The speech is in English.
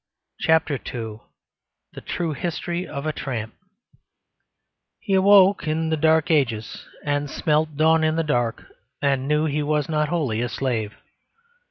CHAPTER II TRUE HISTORY OF A TRAMP He awoke in the Dark Ages and smelt dawn in the dark, and knew he was not wholly a slave.